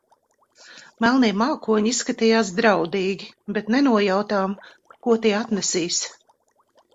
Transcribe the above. Melnie mākoņi izskatījās draudīgi, bet nenojautām, ko tie atnesīs.